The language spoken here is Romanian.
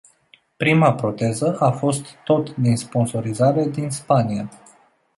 Prima proteză a fost tot din sponsorizare, din Spania.